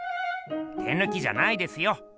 手ぬきじゃないですよ。